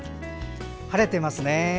晴れていますね。